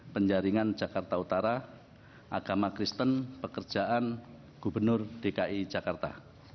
penjaringan jakarta utara agama kristen pekerjaan gubernur dki jakarta